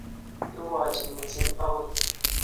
Irwochi mising agui